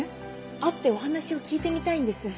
会ってお話を聞いてみたいんです。